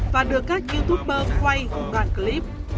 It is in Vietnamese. và được các youtuber quay cùng đoạn clip